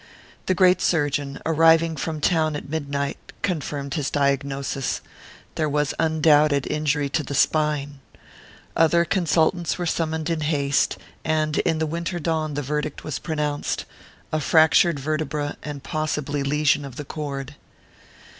The great surgeon, arriving from town at midnight, confirmed his diagnosis: there was undoubted injury to the spine. Other consultants were summoned in haste, and in the winter dawn the verdict was pronounced a fractured vertebra, and possibly lesion of the cord....